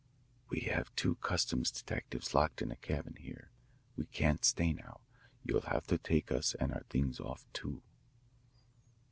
"We have two customs detectives locked in a cabin here. We can't stay now. You'll have to take us and our things off, too."